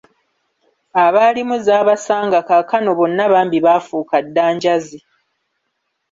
Abaalimu zaabasanga kakaano bonna bambi baafuuka dda nnjazi.